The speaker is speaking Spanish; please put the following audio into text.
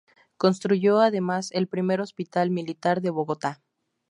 Construyó además el primer hospital militar de Bogotá.